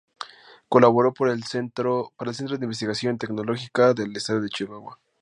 Colaboró para el Centro de Investigación Tecnológica del Estado de Chihuahua.